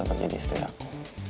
untuk jadi istri aku